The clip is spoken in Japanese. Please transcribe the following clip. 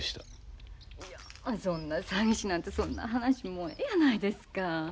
そんな詐欺師なんてそんな話もうええやないですか。